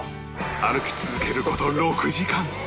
歩き続ける事６時間